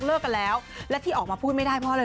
แล้วที่ออกมาพูดไม่ได้เพราะอะไร